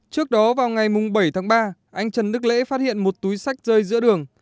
trước đó vào ngày bảy tháng ba anh trần đức lễ phát hiện một túi sách rơi giữa đường